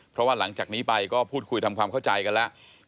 เพราะว่าหลังจากนี้ไปก็พูดคุยทำความเข้าใจกันแล้ว